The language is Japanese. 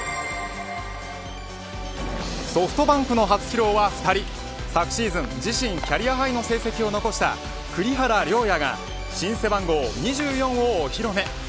ソフトバンクの初披露は２人昨シーズン、自身キャリアハイの成績を残した栗原陵矢が新背番号２４をお披露目。